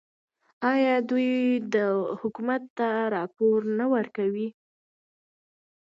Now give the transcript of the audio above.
آیا دوی حکومت ته راپورونه نه ورکوي؟